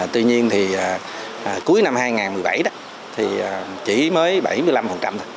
tuy nhiên thì cuối năm hai nghìn một mươi bảy thì chỉ mới bảy mươi năm thôi